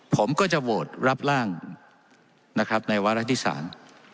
ผมก็จะโหวตรับร่างนะครับในวาระที่สาม